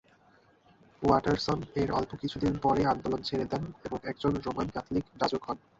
ওয়াটারসন এর অল্প কিছুদিন পরেই আন্দোলন ছেড়ে দেন এবং একজন রোমান ক্যাথলিক যাজক হন।